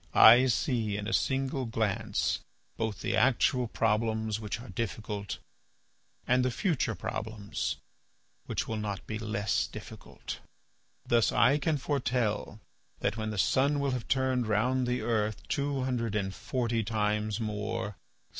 "I see in a single glance both the actual problems which are difficult, and the future problems which will not be less difficult. Thus I can foretell that when the sun will have turned round the earth two hundred and forty times more.